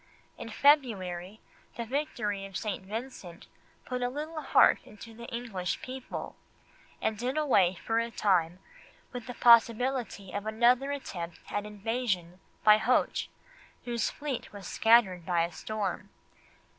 In February the victory of St. Vincent put a little heart into the English people, and did away for a time with the possibility of another attempt at invasion by Hoche, whose fleet was scattered by a storm.